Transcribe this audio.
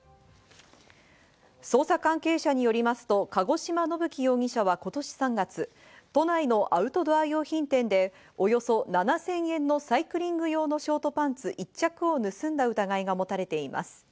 捜査関係者によりますと、鹿児島伸樹容疑者は今年３月、都内のアウトドア用品店で、およそ７０００円のサイクリング用のショートパンツ１着を盗んだ疑いが持たれています。